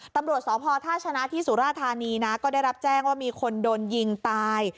ตำรวจสพท่าชนะที่สุราธานีนะก็ได้รับแจ้งว่ามีคนโดนยิงตาย